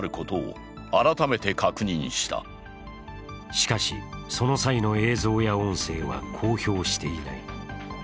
しかし、その際の映像や音声は公表していない。